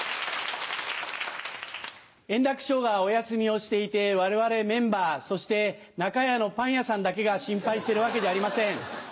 円楽師匠がお休みをしていて我々メンバーそしてナカヤのパン屋さんだけが心配してるわけじゃありません。